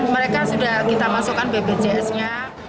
mereka sudah kita masukkan bpjs nya